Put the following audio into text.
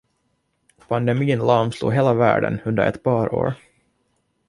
Pandemin lamslog hela världen under ett par år.